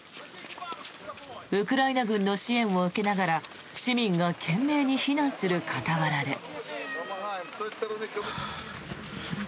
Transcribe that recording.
ウクライナ軍の支援を受けながら市民が懸命に避難する傍らで。